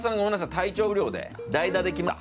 体調不良で代打で来ました。